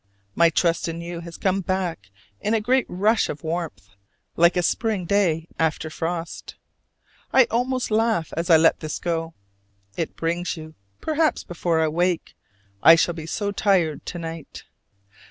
My trust in you has come back in a great rush of warmth, like a spring day after frost. I almost laugh as I let this go. It brings you, perhaps before I wake: I shall be so tired to night.